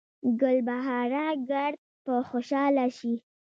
ګلبهاره ګړد به خوشحاله شي